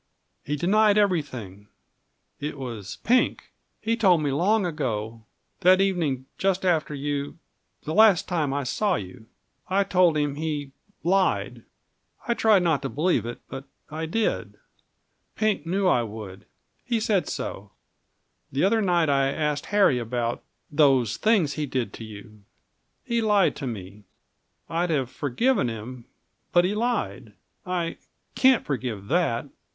He denied everything. It was Pink. He told me long ago that evening, just after you the last time I saw you. I told him he lied. I tried not to believe it, but I did. Pink knew I would; he said so. The other night I asked Harry about those things he did to you. He lied to me. I'd have forgiven him but he lied. I can't forgive that.